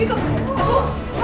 itu bolu makanannya